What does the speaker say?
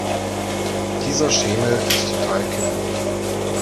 Dieser Schemel ist total kippelig.